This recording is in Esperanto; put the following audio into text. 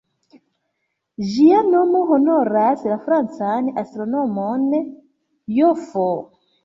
Ĝia nomo honoras la francan astronomon "J.-F.